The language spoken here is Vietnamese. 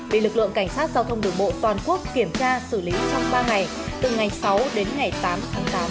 bị lực lượng cảnh sát giao thông đường bộ toàn quốc kiểm tra xử lý trong ba ngày từ ngày sáu đến ngày tám tháng tám tháng hai năm hai nghìn một mươi sáu